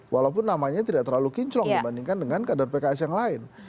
walaupun namanya tidak terlalu kinclong dibandingkan dengan kader pks yang lain